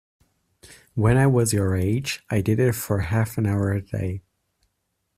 When I was your age, I did it for half-an-hour a day.